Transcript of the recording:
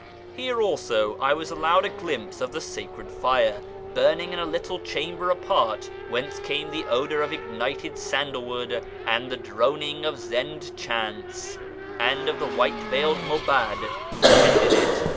Here also I was allowed a glimpse of the sacred fire burning in a little chamber apart (whence came the odour of ignited sandal wood and the droning of Zend chants), and of the white veiled muhad who tended it.